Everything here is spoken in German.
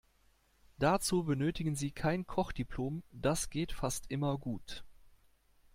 Dazu benötigen Sie kein Kochdiplom, das geht fast immer gut.